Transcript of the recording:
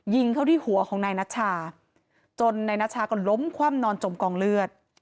ยิงเข้าที่หัวของนายนัชชาจนนายนัชชาก็ล้มคว่ำนอนจมกองเลือด